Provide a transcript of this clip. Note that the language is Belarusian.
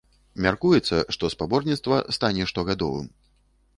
Мяркуецца, што спаборніцтва стане штогадовым.